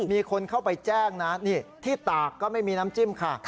ต้องไปแจ้งนะที่ตากก็ไม่มีน้ำจิ้มค่ะ